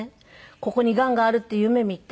ここにがんがあるって夢見て。